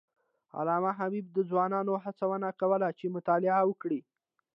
علامه حبیبي د ځوانانو هڅونه کوله چې مطالعه وکړي.